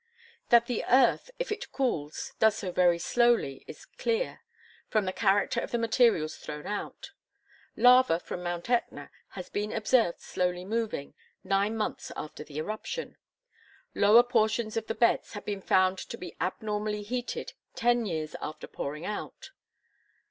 That the earth, if it cools, does so very slowly is clear, from the character of the materials thrown out. Lava from Mt. Ætna has been observed slowly moving nine months after the eruption. Lower portions of the beds have been found to be abnormally heated ten years after pouring out.